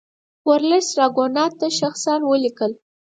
ورلسټ راګونات ته شخصا ولیکل.